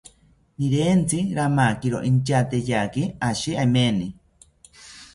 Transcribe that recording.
Nirentzi ramakiro intyateyaki ashi emeni